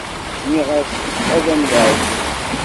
Nniɣ-as ad m-yeɛǧeb.